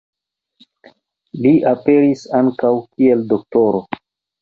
Li aperis ankaŭ kiel Dro.